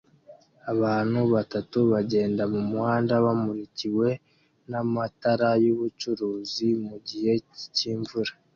Abantu batatu bagenda mumuhanda bamurikiwe namatara yubucuruzi mugihe cyimvura